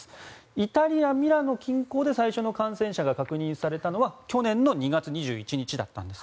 イタリア・ミラノ近郊で最初の感染者が確認されたのは去年の２月２１日だったんです。